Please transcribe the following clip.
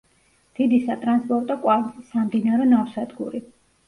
დიდი სატრანსპორტო კვანძი, სამდინარო ნავსადგური.